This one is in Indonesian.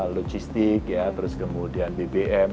logistik ya terus kemudian bbm